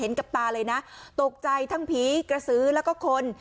เห็นกับปลาเลยนะตกใจทั้งผีกระสือและก็คน